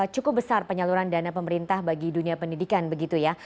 cukup besar penyaluran dana pemerintah bagi dunia pendidikan begitu ya